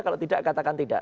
kalau tidak katakan tidak